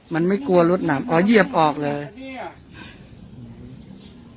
มันไม่กลัวรวดหนามอ๋อเยียบออกเลยนี่อ่ะ